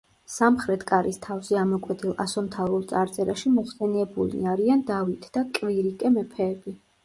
სამხრეთ კარის თავზე ამოკვეთილ ასომთავრულ წარწერაში მოხსენიებულნი არიან დავით და კვირიკე მეფეები.